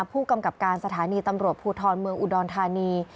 ผู้กำกับการสถานีตำรวจภูทรเมืองอุดรธานี